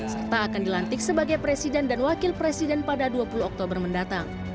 serta akan dilantik sebagai presiden dan wakil presiden pada dua puluh oktober mendatang